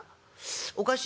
おかしい。